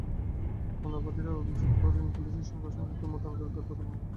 মামলার বাদীরা অভিযোগ করেন, পুলিশের সঙ্গে আসামিপক্ষের মোটা অঙ্কের টাকার লেনদেন হয়েছে।